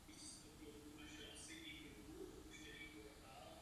Jan Křtitel drží v náručí beránka Božího.